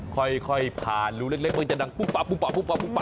ค่อยผ่านรูเล็กมันจะดังปุ๊บ